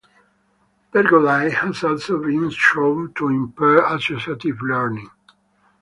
Pergolide has also been shown to impair associative learning.